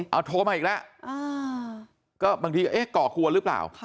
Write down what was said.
เอาโทรมาอีกแล้วก็บางทีเอ๊ะก่อกวนหรือเปล่า